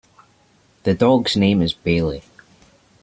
The dog's name is Bailey.